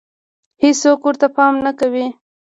چې هيڅوک ورته پام نۀ کوي